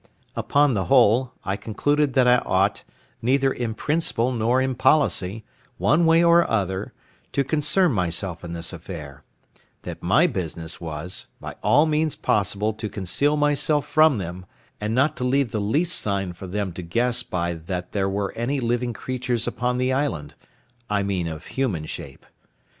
Upon the whole, I concluded that I ought, neither in principle nor in policy, one way or other, to concern myself in this affair: that my business was, by all possible means to conceal myself from them, and not to leave the least sign for them to guess by that there were any living creatures upon the island—I mean of human shape.